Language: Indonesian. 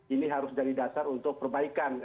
ini harus jadi dasar untuk perbaikan